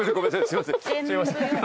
すいません。